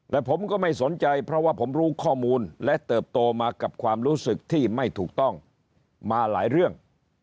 และผมก็ไม่สนใจเพราะว่าผมรู้ข้อมูลและเติบโตมากับความรู้สึกที่ไม่ถูกต้องมาหลายเรื่อง